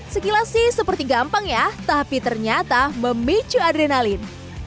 sekilas sih seperti gampang ya tapi ternyata memicu adrenalin